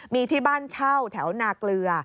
มีที่บ้านเช่าแถวนาเกลือ